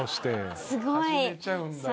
始めちゃうんだよ。